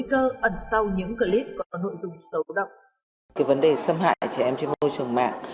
cái vấn đề xâm hại trẻ em trên môi trường mạng